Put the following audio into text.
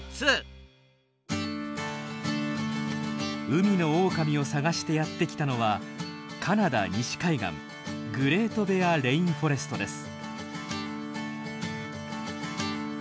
海のオオカミを探してやって来たのはカナダ西海岸グレートベアレインフォレストです。